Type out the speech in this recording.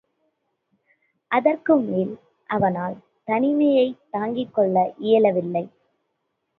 அதற்குமேல் அவனால் தனிமையைத் தாங்கிக் கொள்ள இயலவில்லை.